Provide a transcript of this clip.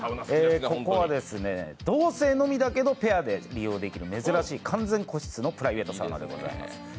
ここは同性のみだけペアで利用できる完全個室のプライベートサウナでございます。